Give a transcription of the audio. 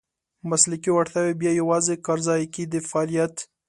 مسلکي وړتیاوې بیا یوازې کارځای کې د فعالیت .